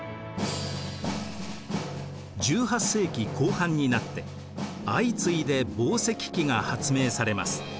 １８世紀後半になって相次いで紡績機が発明されます。